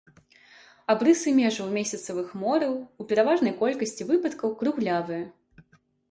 Абрысы межаў месяцавых мораў ў пераважнай колькасці выпадкаў круглявыя.